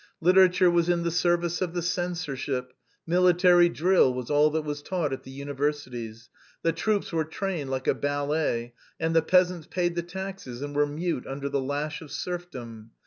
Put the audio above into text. Literature was in the service of the censorship; military drill was all that was taught at the universities; the troops were trained like a ballet, and the peasants paid the taxes and were mute under the lash of serfdom.